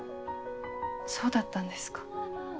そうだったんですか。